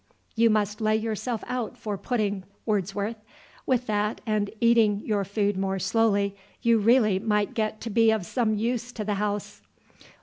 You must lay yourself out for pudding, Wordsworth. With that, and eating your food more slowly, you really might get to be of some use to the house."